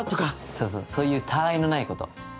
そうそうそうそういうたわいのないこと。